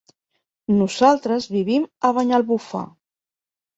Nosaltres vivim a Banyalbufar.